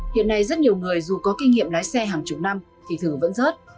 hiện nay rất nhiều người dù có kinh nghiệm lái xe hàng chục năm thì thử vẫn rớt